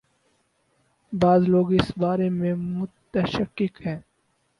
بعض لوگ اس بارے میں متشکک ہیں۔